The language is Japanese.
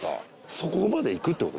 そこまでいくってこと？